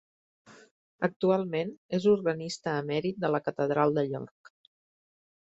Actualment, és organista emèrit de la catedral de York.